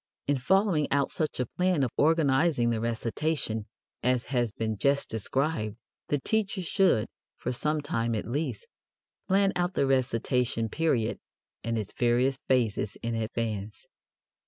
In following out such a plan of organizing the recitation as has been just described, the teacher should, for some time at least, plan out the recitation period and its various phases in advance.